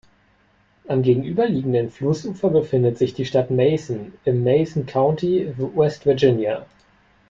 Am gegenüberliegenden Flussufer befindet sich die Stadt Mason im Mason County, West Virginia.